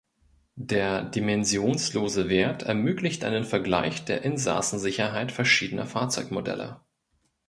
Der dimensionslose Wert ermöglicht einen Vergleich der Insassensicherheit verschiedener Fahrzeugmodelle.